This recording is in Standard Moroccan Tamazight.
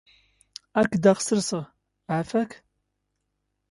ⴰⴳⴳⵯ ⴷ ⵣⴰ ⵙⵔⵉ ⵄⴰⴼⴰⴽ.